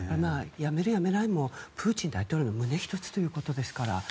やめる、やめないもプーチン大統領の胸一つということですから。